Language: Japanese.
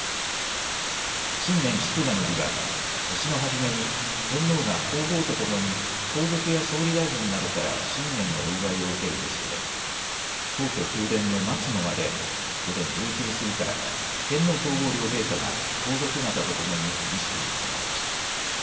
新年祝賀の儀は年の初めに天皇が皇后とともに皇族や総理大臣などから新年のお祝いを受ける儀式で皇居・宮殿の松の間で午前１１時過ぎから天皇皇后両陛下が皇族方とともに儀式に臨まれました。